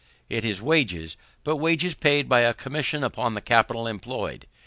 It is wages, but wages paid by a commission upon the capital employed.